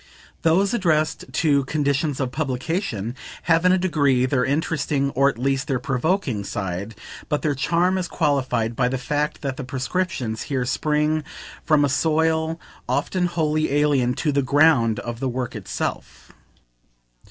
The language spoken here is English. Those addressed to "conditions of publication" have in a degree their interesting, or at least their provoking, side; but their charm is qualified by the fact that the prescriptions here spring from a soil often wholly alien to the ground of the work itself.